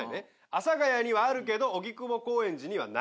阿佐ヶ谷にはあるけど荻窪・高円寺にはない。